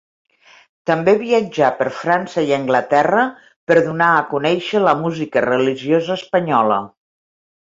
També viatjà per França i Anglaterra per donar a conèixer la música religiosa espanyola.